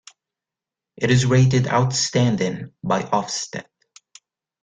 It is rated 'Outstanding' by Ofsted.